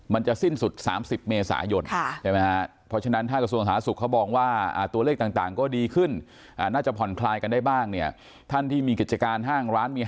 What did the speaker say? มันจะสิ้นสุด๓๐เมษายนใช่ไหมฮะ